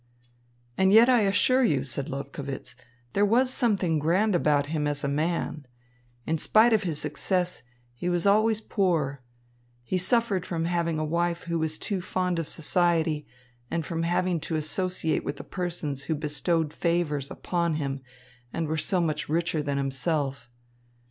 "And yet I assure you," said Lobkowitz, "there was something grand about him as a man. In spite of his success, he was always poor. He suffered from having a wife who was too fond of society and from having to associate with the persons who bestowed favours upon him and were so much richer than himself.